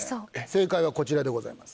正解はこちらでございます。